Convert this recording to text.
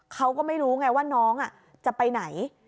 เขาก็ไม่รู้ไงว่าน้องจะไปไหน